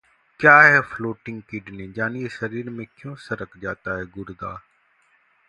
क्या है floating kidney? जानिए शरीर में क्यों सरक जाता है गुर्दा?